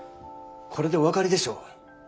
これでお分かりでしょう。